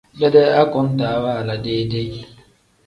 Dedee akontaa waala deyi-deyi.